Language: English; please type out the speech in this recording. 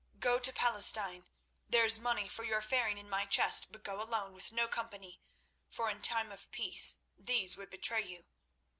Go to Palestine. There is money for your faring in my chest, but go alone, with no company, for in time of peace these would betray you.